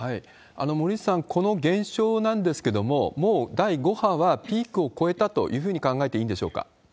森内さん、この現象なんですけれども、もう第５波はピークを超えたというふうに考えていいんでしょうか？